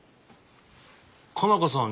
佳奈花さん